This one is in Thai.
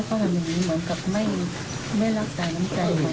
แล้วเขาทำแบบนี้เหมือนกับไม่รักตามน้ำใจ